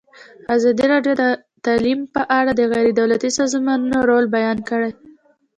ازادي راډیو د تعلیم په اړه د غیر دولتي سازمانونو رول بیان کړی.